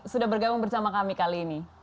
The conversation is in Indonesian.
sudah bergabung bersama kami kali ini